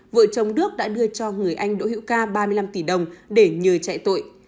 vợ chồng đức đã đưa cho người anh đỗ hữu ca ba mươi năm tỷ đồng để nhờ chạy tội